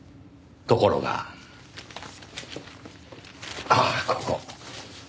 ところがああここ。